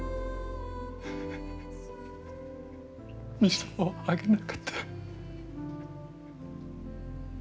水をあげなかった。